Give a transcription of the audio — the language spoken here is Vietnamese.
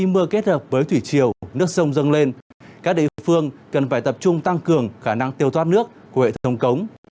nếu thủy chiều nước sông dâng lên các địa phương cần phải tập trung tăng cường khả năng tiêu thoát nước của hệ thống cống